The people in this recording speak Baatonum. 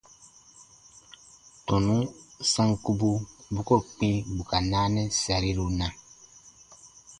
Tɔnu sankubu bu koo kpĩ bù ka naanɛ sariru na?